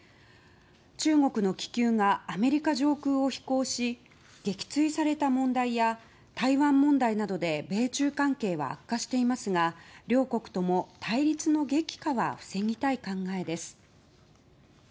中国の気球がアメリカ上空を飛行し、撃墜された問題や台湾問題などで米中関係は悪化していますが両国とも対立の激化は防ぎたい考えです。